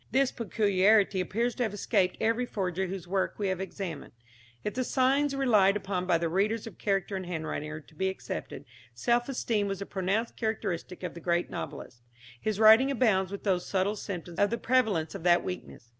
This peculiarity appears to have escaped every forger whose work we have examined. If the signs relied upon by the readers of character in handwriting are to be accepted, self esteem was a pronounced characteristic of the great novelist. His writing abounds with those subtle symptoms of the prevalence of that weakness.